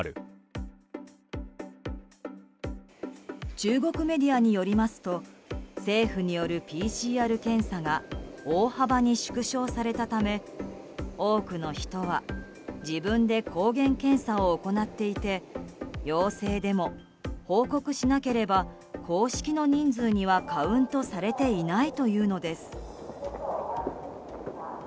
中国メディアによりますと政府によるＰＣＲ検査が大幅に縮小されたため多くの人は自分で抗原検査を行っていて陽性でも報告しなければ公式の人数にはカウントされていないというのです。